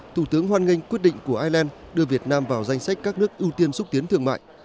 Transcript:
thủ tướng hoan nghênh quyết định của ireland đưa việt nam vào danh sách các nước ưu tiên xúc tiến thương mại